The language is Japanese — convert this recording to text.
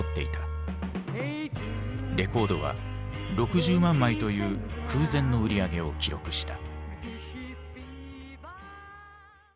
レコードは６０万枚という空前の売り上げを記録した。